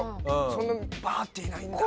そんなに、バーッていないんだ。